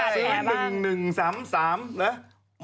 นักรบต้องมีบาทแหละบ้าง